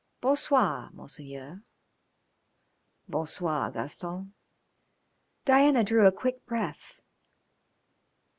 "Bon soir, Monseigneur." "Bon soir, Gaston." Diana drew a quick breath.